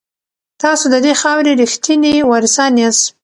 تاسو د دې خاورې ریښتیني وارثان یاست.